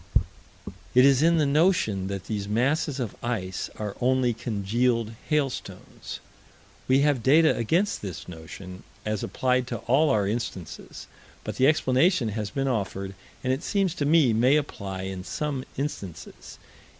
It is in the notion that these masses of ice are only congealed hailstones. We have data against this notion, as applied to all our instances, but the explanation has been offered, and, it seems to me, may apply in some instances.